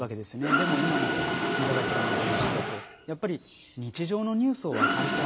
でも、今の奈良崎さんのお話だとやっぱり日常のニュースを分かりたい。